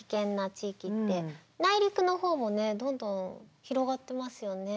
内陸の方もねどんどん広がってますよね。